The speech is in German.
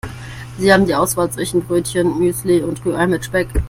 Sie haben die Auswahl zwischen Brötchen, Müsli und Rührei mit Speck.